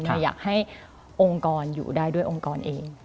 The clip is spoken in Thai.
อยากให้องค์กรอยู่ได้ด้วยองค์กรเอง